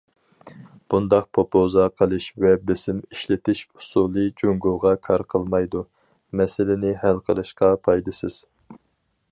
بۇنداق پوپوزا قىلىش ۋە بېسىم ئىشلىتىش ئۇسۇلى جۇڭگوغا كار قىلمايدۇ، مەسىلىنى ھەل قىلىشقا پايدىسىز.